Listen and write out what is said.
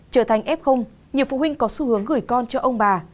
trở thành f nhiều phụ huynh có xu hướng gửi con cho ông bà